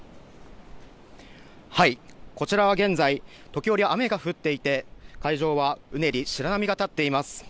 こちらは現在、時折雨が降っていて、海上はうねり、白波が立っています。